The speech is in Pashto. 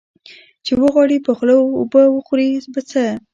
ـ چې وغواړې په خوله وبه خورې په څه.